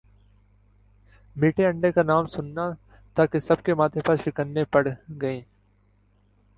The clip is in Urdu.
میٹھے انڈے کا نام سننا تھا کہ سب کے ماتھے پر شکنیں پڑ گئی